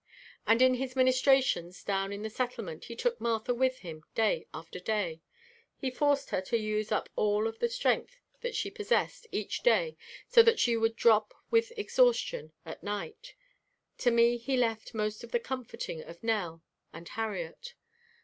And in his ministrations down in the Settlement he took Martha with him day after day. He forced her to use up all of the strength that she possessed each day so that she would drop with exhaustion at night. To me he left most of the comforting of Nell and Harriet.